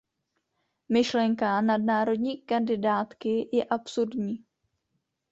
Myšlenka nadnárodní kandidátky je absurdní.